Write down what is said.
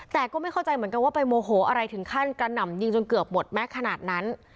แต่ก็ไม่เข้าใจเหมือนกันว่าไปโมโหอะไรถึงขั้นกระหน่ำยิงจนเกือบหมดแม็กซ์ขนาดนั้น